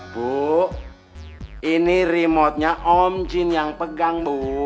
bu ini remote nya om jin yang pegang bu